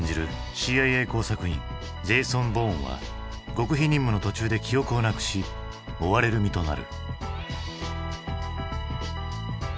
ＣＩＡ工作員ジェイソン・ボーンは極秘任務の途中で記憶をなくし追われる身となる。